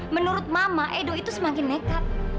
menurut mama edo itu semakin nekat